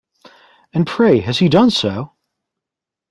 And pray has he done so?